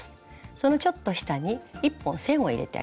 そのちょっと下に１本線を入れてあげます。